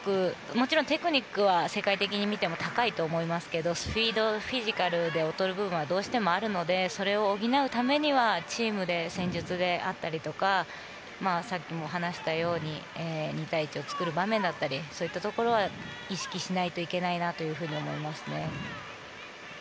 もちろんテクニックは世界的に見ても高いと思いますけどスピード、フィジカルで劣る部分はどうしてもあるのでそれを補うためにはチームで、戦術であったりとかさっきも話したように２対１を作る場面だったりそういったところは意識しないといけないなと思いますね。